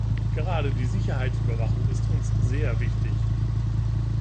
Gerade die Sicherheitsüberwachung ist uns sehr wichtig.